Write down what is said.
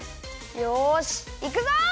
よしいくぞ！